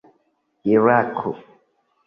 irako